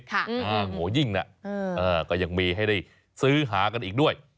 โอ้โหยิ่งนะก็ยังมีให้ได้ซื้อหากันอีกด้วย